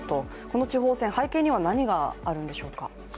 この地方選、背景には何があるんでしょうか。